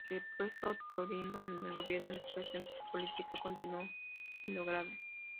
Repuesto Torino en el gobierno, la situación política continuó siendo grave.